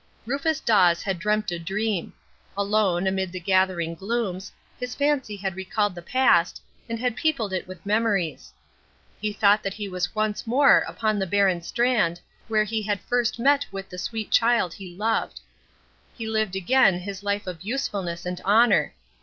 Rufus Dawes had dreamt a dream. Alone, amid the gathering glooms, his fancy had recalled the past, and had peopled it with memories. He thought that he was once more upon the barren strand where he had first met with the sweet child he loved. He lived again his life of usefulness and honour.